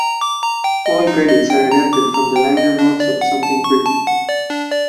All credits are adapted from the liner notes of "Something Pretty".